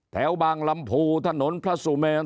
แถวบางลำพูถนนพระสุเมน